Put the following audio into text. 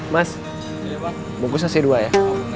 mas bungkusnya c dua ya